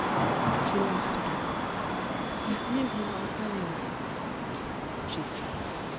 She laughed again. "You really are very nice!" she said.